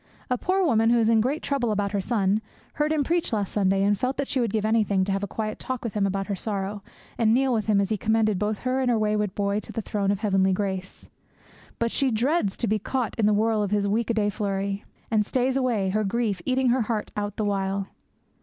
A poor woman, who is in great trouble about her son, heard him preach last Sunday, and felt that she would give anything to have a quiet talk with him about her sorrow, and kneel with him as he commended both her and her wayward boy to the Throne of the heavenly grace. But she dreads to be caught in the whirl of his week a day flurry, and stays away, her grief eating her heart out the while.